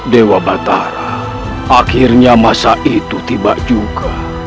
dewa batara akhirnya masa itu tiba juga